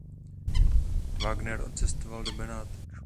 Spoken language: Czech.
Wagner odcestoval do Benátek.